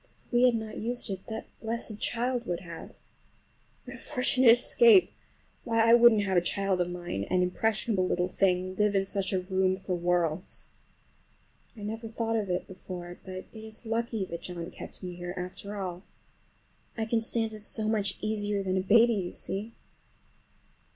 If we had not used it that blessed child would have! What a fortunate escape! Why, I wouldn't have a child of mine, an impressionable little thing, live in such a room for worlds. I never thought of it before, but it is lucky that John kept me here after all. I can stand it so much easier than a baby, you see.